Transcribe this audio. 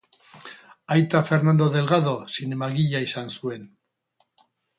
Aita Fernando Delgado zinemagilea izan zuen.